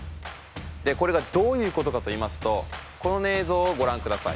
これがどういう事かといいますとこの映像をご覧ください。